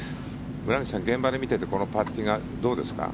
村口さん、現場で見ててこのパッティングはどうですか。